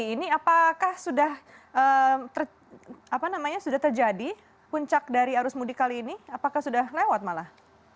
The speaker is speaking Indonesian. ini apakah sudah terjadi puncak dari arus mudik kali ini apakah sudah lewat malah